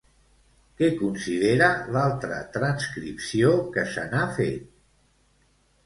Què considera l'altra transcripció que se n'ha fet?